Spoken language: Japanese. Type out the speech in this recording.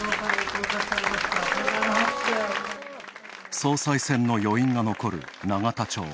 総裁選の余韻が残る永田町。